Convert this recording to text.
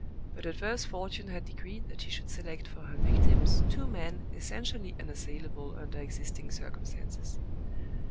But adverse fortune had decreed that she should select for her victims two men essentially unassailable under existing circumstances.